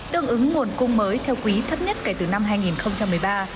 tương ứng nguồn cung mới theo quý thấp nhất kể từ năm hai nghìn một mươi ba